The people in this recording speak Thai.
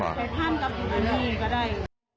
ไปพันกับพิวัณีก็ได้